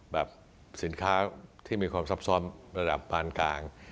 สินค้าที่มีความซับซ้อมระดับปานกลาง